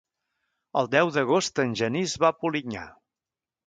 El deu d'agost en Genís va a Polinyà.